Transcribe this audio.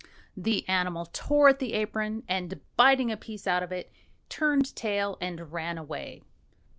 The animal tore at the apron, and biting a piece out of it, turned tail and ran away.